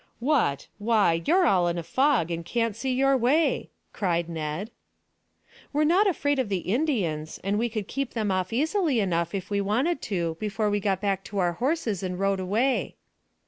"What! Why, you're all in a fog, and can't see your way," cried Ned. "We're not afraid of the Indians, and we could keep them off easily enough if we wanted to before we got back to our horses and rode away."